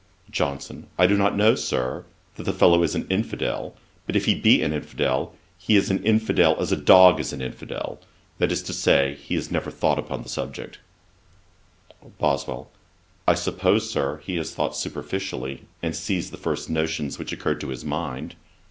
JOHNSON. 'I do not know, Sir, that the fellow is an infidel; but if he be an infidel, he is an infidel as a dog is an infidel; that is to say, he has never thought upon the subject.' BOSWELL. 'I suppose, Sir, he has thought superficially, and seized the first notions which occurred to his mind.'